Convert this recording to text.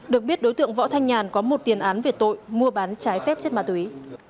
được biết đối tượng võ thanh nhàn có một tiền án về tội mua bán trái phép chất ma túy